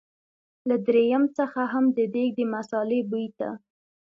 له دريم څخه هم د دېګ د مثالې بوی ته.